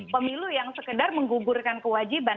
pemilu yang sekedar menggugurkan kewajiban